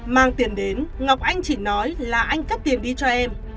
mang tiền đến ngọc anh chỉ nói là anh cắp tiền đi cho em